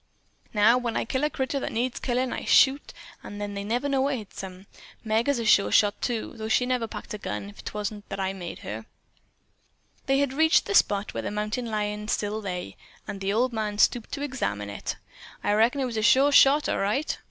Now, when I kill a critter that needs killin', I shoot an' they never know what hits 'em. Meg is a sure shot, too, though she'd never pack a gun if 'twant that I make her." They had reached the spot where the mountain lion still lay, and the old man stooped to examine it. "I reckon that was a sure shot, all right."